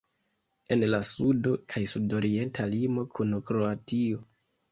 En la sudo kaj sudorienta limo kun Kroatio.